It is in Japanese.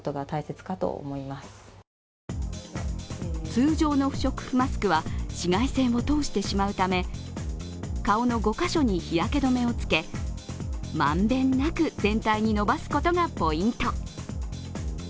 通常の不織布マスクは紫外線を通してしまうため顔の５カ所に日焼け止めをつけ、まんべんなく全体に伸ばすことがポイント。